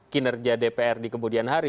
kinerja dpr di kemudian hari